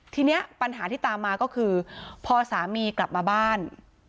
ทีนี้ปัญหาที่ตามมาก็คือพอสามีกลับมาบ้าน